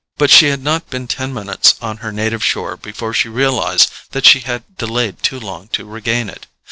But she had not been ten minutes on her native shore before she realized that she had delayed too long to regain it.